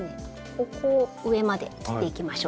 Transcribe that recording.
ここを上まで切っていきましょうか。